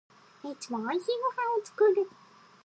いつも美味しいご飯を作る